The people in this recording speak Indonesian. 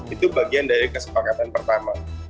itu bagian dari kesepakatan pertama